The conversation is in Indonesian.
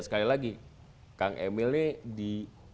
sekali lagi kang emil ini di